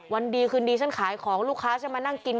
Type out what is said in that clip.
วันดีคืนดีฉันขายของลูกค้าฉันมานั่งกิน